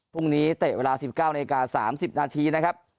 พรุ่งนี้เตะเวลา๑๙นาที๓๐นาทีนะครับ